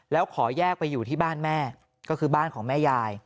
แล้วขอแยกไปอยู่ที่บ้านแม่ก็คือบ้านของแม่ยาย